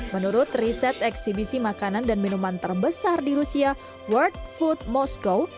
menurut riset eksibisi makanan dan minuman terbesar di rusia world food moskow